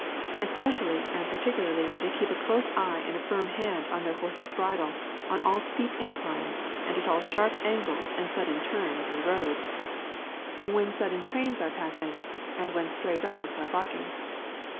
Especially and particularly they keep a close eye and a firm hand on their horse's bridle on all steep inclines and at all sharp angles and sudden turns in the road; when sudden trains are passing and when stray dogs are barking.